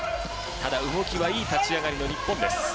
ただ動きはいい立ち上がりの日本です。